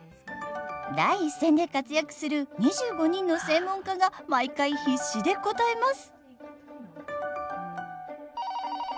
第一線でかつやくする２５人の専門家が毎回必死で答えます！